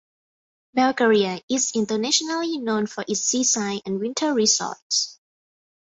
Bulgaria is internationally known for its seaside and winter resorts.